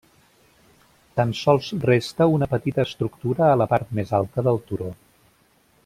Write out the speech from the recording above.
Tan sols resta una petita estructura a la part més alta del turó.